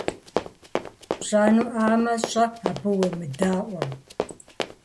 Пщӏэнуӏамэ, щӏэ, абы уемыдаӏуэу.